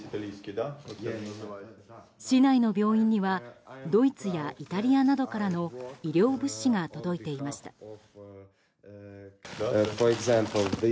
市内の病院にはドイツやイタリアなどからの医療物資が届いていました。